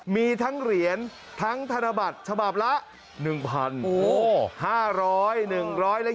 มีทั้งเหรียญทั้งธนบัตรฉบับละ๑๕๐๐เลข